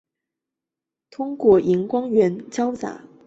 通过荧光原位杂交能够确认它们的存在。